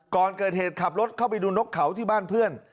ก่อนเกิดเหตุขับรถเข้าไปดูนกเขาที่บ้านเพื่อน